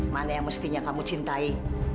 mana yang mestinya kamu cintai